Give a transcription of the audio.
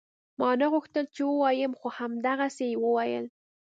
ما نه غوښتل چې ووايم خو همدغسې يې وويل.